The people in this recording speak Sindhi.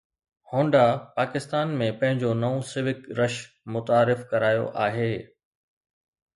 هونڊا پاڪستان ۾ پنهنجو نئون Civic رش متعارف ڪرايو آهي